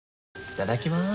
いただきます。